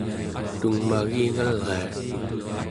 tungmagingalria